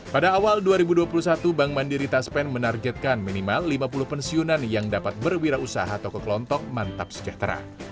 pada awal dua ribu dua puluh satu bank mandiri taspen menargetkan minimal lima puluh pensiunan yang dapat berwirausaha toko kelontok mantap sejahtera